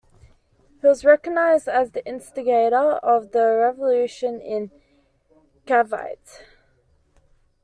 He was recognized as the instigator of the revolution in Cavite.